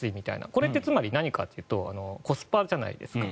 これは何かというとコスパじゃないですか。